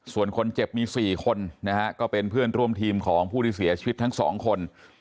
ส่วนคนเจ็บมี๔คนนะฮะก็เป็นเพื่อนร่วมทีมของผู้ที่เสียชีวิตทั้งสองคน